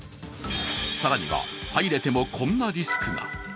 更には入れてもこんなリスクが。